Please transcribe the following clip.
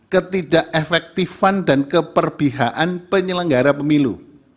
ketidak efektifan dan keperbihaan penyelenggara pemilu